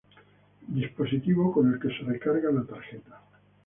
Dispositivo con el que se recarga la tarjeta.